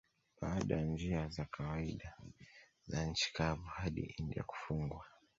Baada ya njia za kawaida za nchi kavu hadi India kufungwa